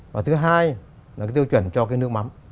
và thứ hai là cái tiêu chuẩn cho cái nước mắm